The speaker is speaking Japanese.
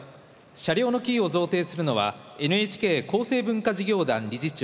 車両のキーを贈呈するのはＮＨＫ厚生文化事業団理事長